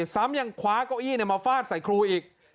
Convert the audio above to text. ซ้ำยังคว้าเก้าอี้มาฟาดใส่ครูอีก